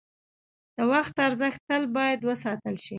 د وخت ارزښت تل باید وساتل شي.